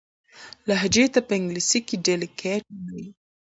لهجې ته په انګلیسي کښي Dialect وایي.